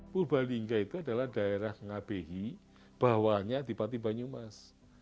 purbalingga itu adalah daerah ngabei bawahnya di pati banjumas